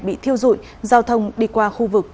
bị thiêu dụi giao thông đi qua khu vực